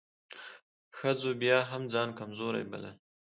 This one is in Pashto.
ښځو بيا هم ځان کمزورۍ بلل .